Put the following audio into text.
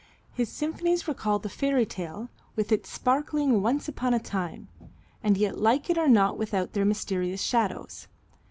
His symphonies recall the fairy tale, with its sparkling "once upon a time," and yet like it are not without their mysterious shadows.